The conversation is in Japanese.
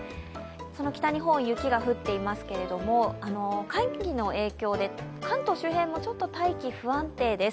その北日本雪が降っていますけれども、寒気の影響で関東周辺もちょっと大気不安定です。